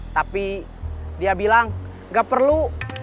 tapi dia bilang gak perlu